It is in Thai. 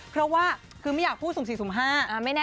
เพราะว่าคือไม่อยากพูดสุ่มสี่สุ่มห้า